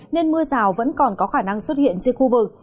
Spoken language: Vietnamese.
nên mưa rào vẫn còn có khả năng xuất hiện trên khu vực